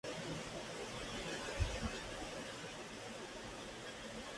Además, llegó a ser Ministro de Marina.